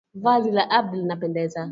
Vazi la Abdi linapendeza.